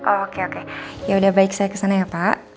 oh oke oke ya udah baik saya ke sana ya pak